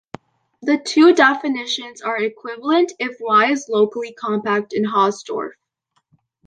The two definitions are equivalent if Y is locally compact and Hausdorff.